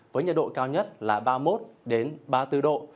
với nhiệt độ cao nhất là ba mươi một ba mươi bốn độ